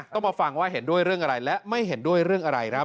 ต้องมาฟังว่าเห็นด้วยเรื่องอะไรและไม่เห็นด้วยเรื่องอะไรครับ